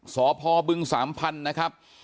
สพบึงสามพันธุ์นะครับ